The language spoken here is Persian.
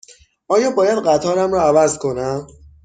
آیا باید قطارم را عوض کنم؟